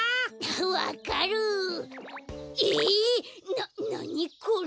ななにこれ！